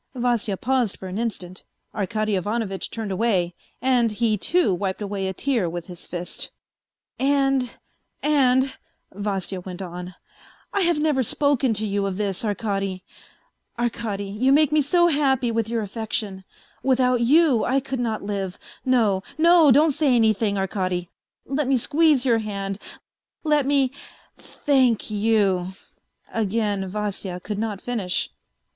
' Vasya paused for an instant. Arkady Ivanovitch turned away, and he, too, wiped away a tear with his fist. " And, and ..." Vasya went on, " I have never spoken to you of this, Arkady. .. Arkady, you make me so happy \\itli your affection, without you I could not live, no, no, don't say anything, Arkady, let me squeeze your hand, let me .. tha ... ank ... you ..." Again Vasya could not finish.